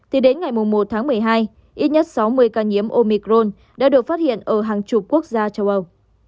thì đến ngày một tháng một mươi hai ít nhất sáu mươi ca nhiễm omicron đã được phát hiện ở hàng chục quốc gia châu âu